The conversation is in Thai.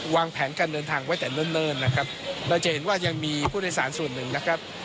วางแผนการเดินทางไว้แต่เนิ่นนะครับเราจะเห็นว่ายังมีผู้โดยสารส่วนหนึ่งนะครับ